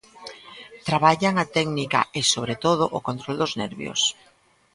Traballan a técnica e, sobre todo, o control dos nervios.